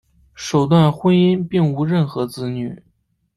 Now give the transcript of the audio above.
首段婚姻并无任何子女。